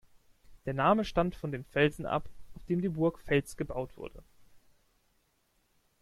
Der Name stammt von dem Felsen ab, auf dem die Burg Fels gebaut wurde.